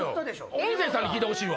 音声さんに聞いてほしいわ。